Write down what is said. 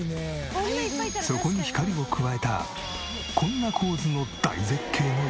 そこに光を加えたこんな構図の大絶景の一枚。